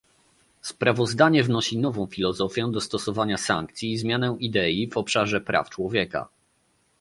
Sprawozdanie wnosi nową filozofię do stosowania sankcji i zmianę idei w obszarze praw człowieka